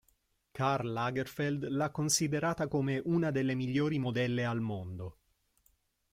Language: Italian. Karl Lagerfeld l'ha considerata come "una delle migliori modelle al mondo".